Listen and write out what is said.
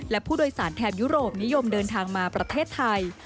และผู้โดยสารแถบยุโรปนิยมเดินทางมาประเทศไทย